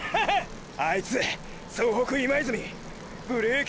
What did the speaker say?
あいつ総北今泉ブレーキ